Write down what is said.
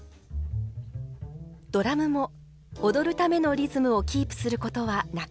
ドラムも踊るためのリズムをキープすることはなくなります。